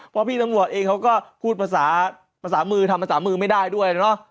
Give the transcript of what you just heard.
เพราะพี่ตำรวจเองเขาก็พูดภาษาภาษามือทำภาษามือไม่ได้ด้วยเนอะ